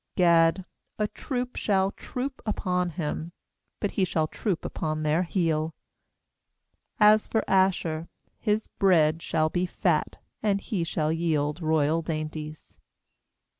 19Gad, »a troop bshall troop upon him; But he shall troop upon their heel. 20As for Asher, his bread shall be fat, And he shall yield royal dainties.